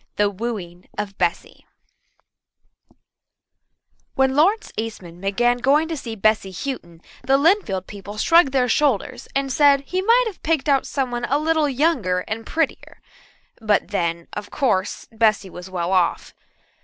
The Wooing of Bessy When Lawrence Eastman began going to see Bessy Houghton the Lynnfield people shrugged their shoulders and said he might have picked out somebody a little younger and prettier but then, of course, Bessy was well off.